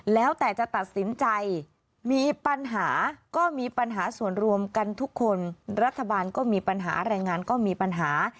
แล้วแต่จะตัดสินใจมีปัญหาก็มีปัญหาส่วนรวมกันทุกคนรัฐบาลก็มีปัญหาแรงงานก็มีปัญหา